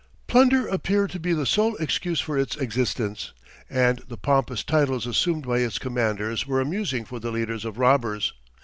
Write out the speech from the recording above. Plunder appeared to be the sole excuse for its existence, and the pompous titles assumed by its commanders were amusing for the leaders of robbers.